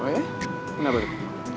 oh iya kenapa tuh